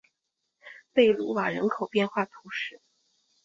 贝卢瓦人口变化图示